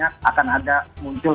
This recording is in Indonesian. berharap banyak akan ada muncul